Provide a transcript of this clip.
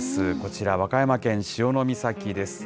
こちら、和歌山県潮岬です。